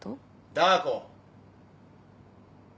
ダー子！